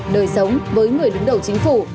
đời sống với người đứng đầu chính phủ